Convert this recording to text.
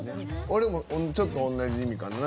俺もちょっと同じ意味かな。